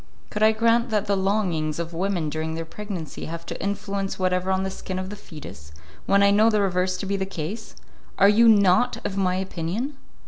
"Could I grant that the longings of women during their pregnancy have no influence whatever on the skin of the foetus, when I know the reverse to be the case? Are you not of my opinion?"